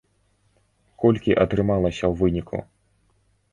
Колькі атрымалася ў выніку?